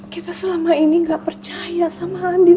kita selama ini gak percaya sama landing